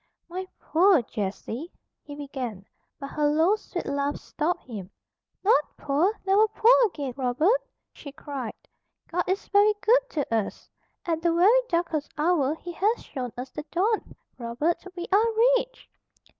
"My poor Jessie," he began, but her low, sweet laugh stopped him. "Not poor! Never poor again, Robert!" she cried. "God is very good to us. At the very darkest hour He has shown us the dawn. Robert, we are rich!"